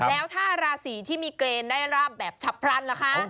แล้วถ้าราศีที่มีเกณฑ์ได้ราบแบบฉับพลันล่ะคะ